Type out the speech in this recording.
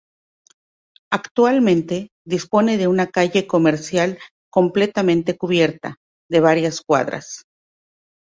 Actualmente dispone de una calle comercial completamente cubierta, de varias cuadras.